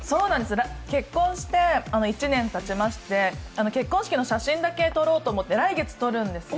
結婚して１年たちまして結婚式の写真だけ撮ろうと思って、来月撮るんですよ。